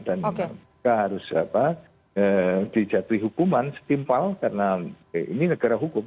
dan tidak harus dijatuhi hukuman setimpal karena ini negara hukum